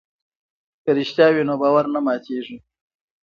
که رښتیا وي نو باور نه ماتیږي.